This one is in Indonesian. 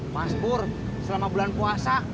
mas bur selama bulan puasa